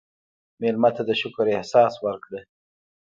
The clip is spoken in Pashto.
مېلمه ته د شکر احساس ورکړه.